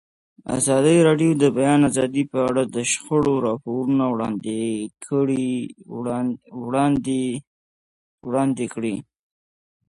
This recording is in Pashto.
ازادي راډیو د د بیان آزادي په اړه د شخړو راپورونه وړاندې کړي.